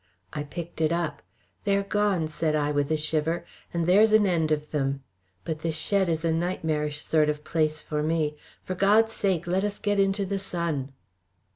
I picked it up. "They are gone," said I, with a shiver, "and there's an end of them. But this shed is a nightmarish sort of place for me. For God's sake, let us get into the sun!"